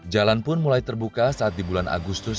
jalan pun mulai terbuka saat di bulan agustus